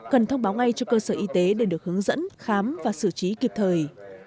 cần thông báo ngay cho cơ sở y tế để được hướng dẫn khám và xử trí kịp thời